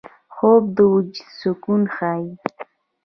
خوب د وجود سکون ښيي